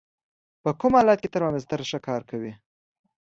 په کوم حالت کې ترمامتر ښه کار کوي؟